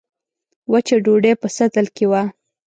وچه ډوډۍ په سطل کې وه.